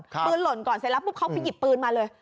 หล่นก่อนเสร็จแล้วปุ๊บเขาไปหยิบปืนมาเลย